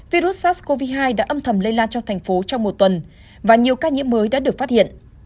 virus sars cov hai đã âm thầm lây lan trong thành phố trong một tuần và nhiều ca nhiễm mới đã được phát hiện